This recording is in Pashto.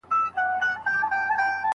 يوولس مياشتې يې پوره ماته ژړله نقيب